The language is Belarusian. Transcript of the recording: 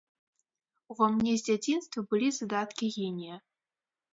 Ува мне з дзяцінства былі задаткі генія.